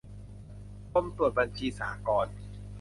กรมตรวจบัญชีสหกรณ์